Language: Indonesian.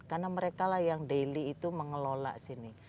karena mereka lah yang daily itu mengelola sini